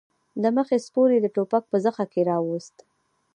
د مخې سپور يې د ټوپک په زخه کې راووست.